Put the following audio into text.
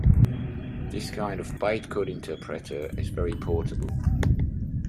This kind of "bytecode interpreter" is very portable.